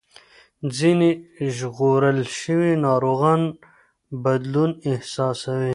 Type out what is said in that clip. ځینې ژغورل شوي ناروغان بدلون احساسوي.